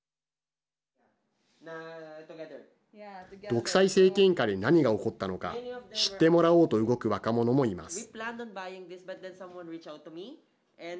独裁政権下で何が起こったのか知ってもらおうと動く若者もいます。